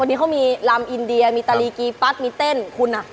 วันนี้เขามีลำอินเดียมีตาลีกีฟัดมีเต้นคุณอ่ะ